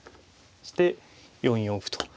して４四歩と。